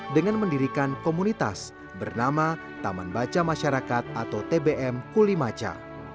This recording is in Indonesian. dengan mendirikan komunitas bernama taman baca masyarakat atau tbm kulimaca